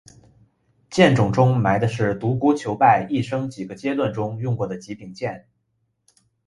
剑冢中埋的是独孤求败一生几个阶段中用过的几柄剑。